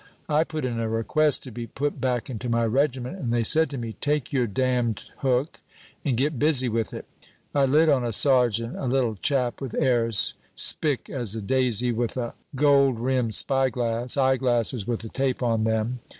I put in a request to be put back into my regiment, and they said to me, 'Take your damned hook, and get busy with it.' I lit on a sergeant, a little chap with airs, spick as a daisy, with a gold rimmed spy glass eye glasses with a tape on them.